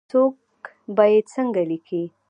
څوک به یې څنګه لیکي ؟